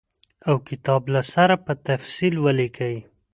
او کتاب له سره په تفصیل ولیکي.